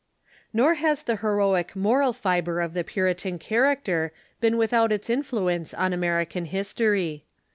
Nor has the heroic moral fibre of the Puritan character been without its influence on American histoiy.